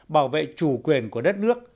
bảo vệ chủ quyền của đất nước